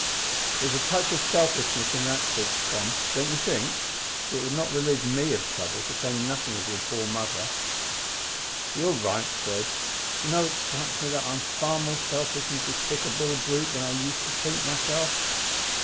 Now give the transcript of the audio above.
"There is a touch of selfishness in that speech, Tom don't you think? for it would not relieve me of trouble; to say nothing of your poor mother!" "You're right, Fred. D'you know, it strikes me that I'm a far more selfish and despicable brute than I used to think myself."